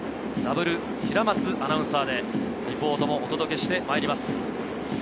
ダブル平松アナウンサーでリポートもお届けしてまいります。